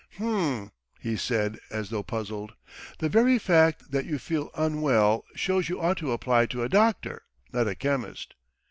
"H'm," he said as though puzzled, "the very fact that you feel unwell shows you ought to apply to a doctor, not a chemist."